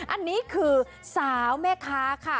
อันนี้คือสาวแม่ค้าค่ะ